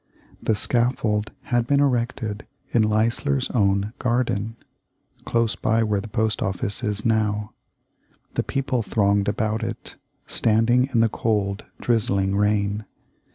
The scaffold had been erected in Leisler's own garden, close by where the post office is now. The people thronged about it, standing in the cold, drizzling rain.